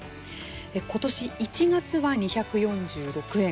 今年１月は２４６円。